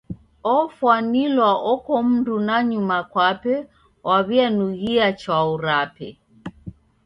Ofwanilwa oko mndu nanyuma kwape waw'ianughia chwau rape.